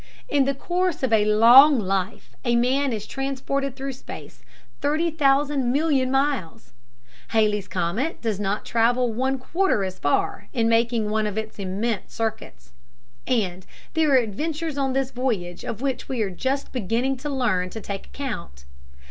In the course of a long life a man is transported through space thirty thousand million miles; Halley's Comet does not travel one quarter as far in making one of its immense circuits. And there are adventures on this voyage of which we are just beginning to learn to take account.